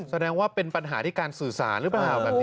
แสดงว่าเป็นปัญหาที่การสื่อสารหรือเปล่าแบบนี้